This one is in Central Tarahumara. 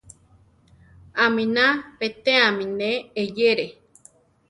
Aminá betéame ne eyéere.